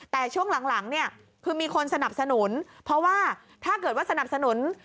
แต่ช่วงหลังเนี่ยคือมีคนสนับสนุนเพราะว่าถ้าเกิดว่าสนับสนุน